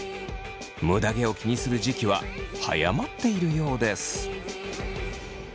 むだ毛を気にする時期は早まっているようです。